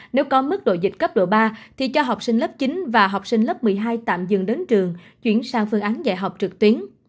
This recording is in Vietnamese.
nếu có mức độ dịch cấp độ ba thì cho học sinh lớp chín và học sinh lớp một mươi hai tạm dừng đến trường chuyển sang phương án dạy học trực tuyến